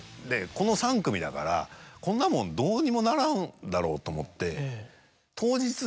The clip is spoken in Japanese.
この３組だからこんなもんどうにもならんだろうと思って。